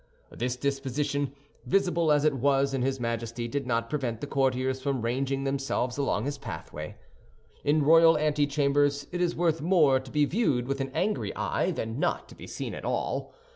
This disposition, visible as it was in his Majesty, did not prevent the courtiers from ranging themselves along his pathway. In royal antechambers it is worth more to be viewed with an angry eye than not to be seen at all.